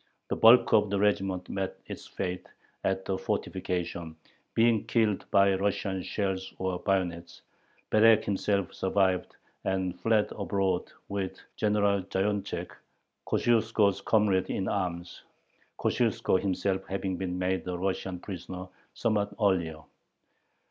The bulk of the regiment met its fate at the fortifications, being killed by Russian shells or bayonets. Berek himself survived, and fled abroad with General Zayonchek, Kosciuszko's comrade in arms, Kosciuszko himself having been made a Russian prisoner somewhat earlier.